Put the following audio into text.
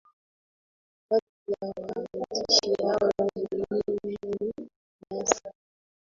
Kati ya waandishi hao muhimu ni hasa